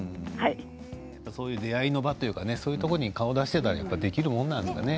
出会いの場というかそういうところに顔を出していたらできるものですかね。